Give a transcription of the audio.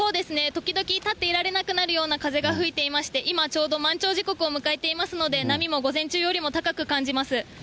時々、立っていられなくなるような風が吹いていまして、今、ちょうど満潮時刻を迎えていますので、波も午前中よりも高く感じます。